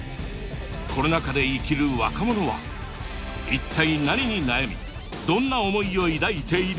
コロナ禍で生きる若者は一体何に悩みどんな思いを抱いているのか？